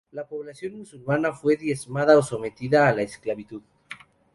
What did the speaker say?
La población musulmana fue diezmada o sometida a la esclavitud.